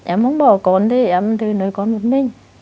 em không bỏ con thì em cứ nuôi con một mình